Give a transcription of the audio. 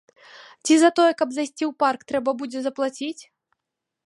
Ці за тое, каб зайсці ў парк, трэба будзе заплаціць?